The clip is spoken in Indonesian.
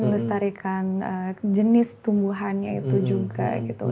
melestarikan jenis tumbuhannya itu juga gitu